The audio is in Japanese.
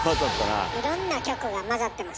いろんな局が混ざってます。